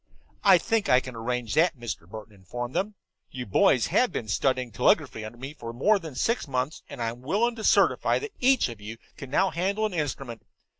"I think I can arrange that," Mr. Burton informed them. "You boys have been studying telegraphy under me for more than six months, and I'm willing to certify that each of you can now handle an instrument.